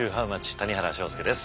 谷原章介です。